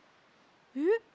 えっ？